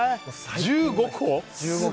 １５個？